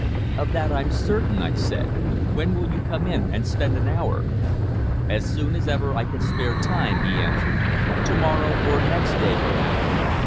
"Of that I'm certain," I said. "When will you come in and spend an hour?" "As soon as ever I can spare time," he answered. "To morrow, or next day, perhaps.